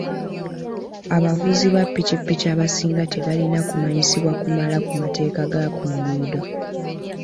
Abavuzi ba ppikipiki abasinga tebalina kumanyisibwa kumala ku mateeka ga ku nguudo.